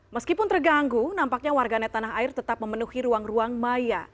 meskipun terganggu nampaknya warganet tanah air tetap memenuhi ruang ruang maya